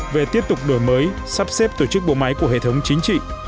về tiếp tục đổi mới sắp xếp tổ chức bộ máy của hệ thống chính trị